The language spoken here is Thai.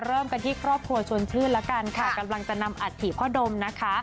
เริ่มกันที่ครอบครัวชวนชื่นแล้วกันค่ะกำลังจะนำอัฐิพ่อดมนะคะ